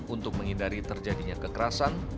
untuk menghindari terjadinya kekerasan